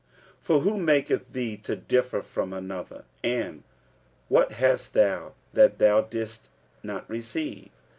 46:004:007 For who maketh thee to differ from another? and what hast thou that thou didst not receive?